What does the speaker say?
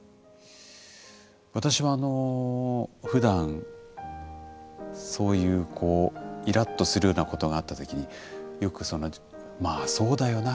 私はふだんそういうイラッとするようなことがあった時によくその何ていうの「まあそうだよな。